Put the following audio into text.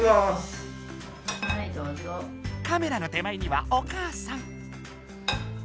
カメラの手前にはお母さん。